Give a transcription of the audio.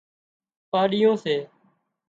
پاڏيون سي